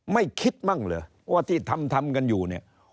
ไม่คิดมั่งเหรอว่าที่ทำทำกันอยู่เนี่ย